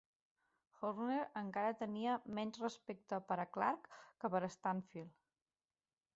Horner encara tenia menys respecte per a Clark que per a Stanfield.